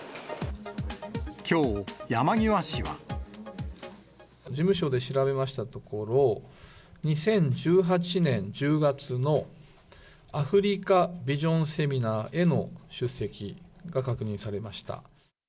きょう、事務所で調べましたところ、２０１８年１０月のアフリカビジョンセミナーへの出席が確認されました。